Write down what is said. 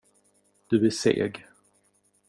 Du är seg.